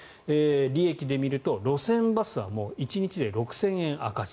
利益で見ると、路線バスは１日で６０００円赤字。